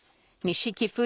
錦